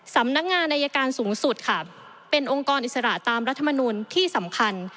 สำนักงานอายการสูงสุดค่ะเป็นองค์กรอิสระตามรัฐมนูลที่สำคัญ